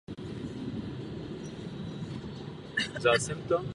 To je jediný důvod.